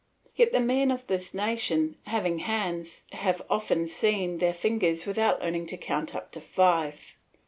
Yet the men of this nation, having hands, have often seen their fingers without learning to count up to five.